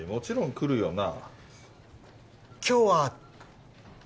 来るよな？